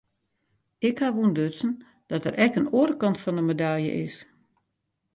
Ik haw ûntdutsen dat der ek in oare kant fan de medalje is.